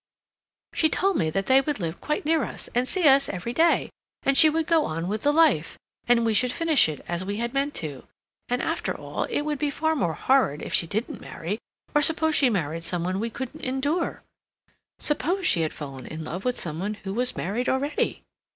She told me that they would live quite near us, and see us every day; and she would go on with the Life, and we should finish it as we had meant to. And, after all, it would be far more horrid if she didn't marry—or suppose she married some one we couldn't endure? Suppose she had fallen in love with some one who was married already?